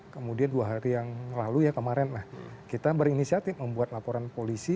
kemudian dua hari yang lalu ya kemarin lah kita berinisiatif membuat laporan polisi